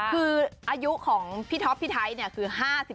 คืออายุของพี่ท็อปพี่ไทยคือ๕๘